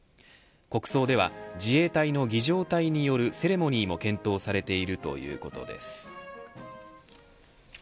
国葬では自衛隊の儀仗隊によるセレモニーも検討されているということです。